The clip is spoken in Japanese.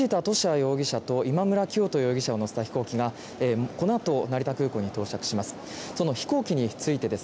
容疑者と今村磨人容疑者を乗せた飛行機がこのあと成田空港に到着します。